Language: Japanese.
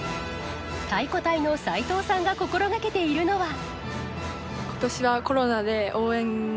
太鼓隊の齊藤さんが心がけているのは。